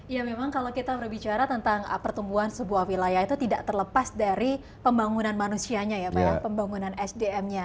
ya memang kalau kita berbicara tentang pertumbuhan sebuah wilayah itu tidak terlepas dari pembangunan manusianya ya pak ya pembangunan sdm nya